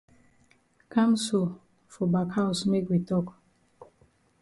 Kam so for back haus make we tok.